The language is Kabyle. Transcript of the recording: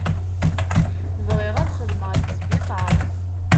Bɣiɣ ad xedmeɣ deg sbiṭaṛ.